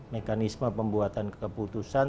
mekanisme pembuatan keputusan